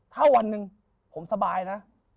ถ้าวันหนึ่งผมสบายนะ